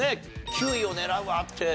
９位を狙うわって。